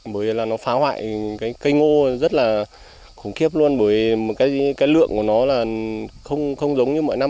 bởi vì nó phá hoại cây ngô rất là khủng khiếp luôn bởi cái lượng của nó không giống như mỗi năm